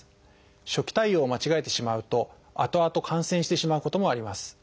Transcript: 初期対応を間違えてしまうとあとあと感染してしまうこともあります。